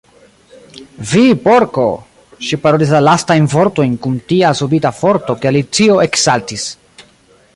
"Vi Porko!" Ŝi parolis la lastajn vortojn kun tia subita forto ke Alicio eksaltis.